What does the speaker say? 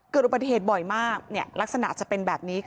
เกิดอุบัติเหตุบ่อยมากลักษณะจะเป็นแบบนี้